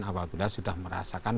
apabila sudah merasakan